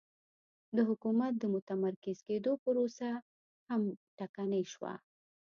د حکومت د متمرکز کېدو پروسه هم ټکنۍ شوه